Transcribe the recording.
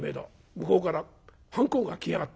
向こうから半公が来やがったよ。